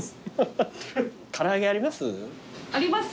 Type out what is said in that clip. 唐揚げあります？